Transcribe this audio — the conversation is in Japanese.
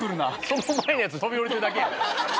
その前のやつ飛び降りてるだけや。